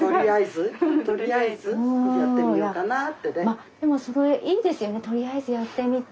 まあでもそれいいですよねとりあえずやってみて。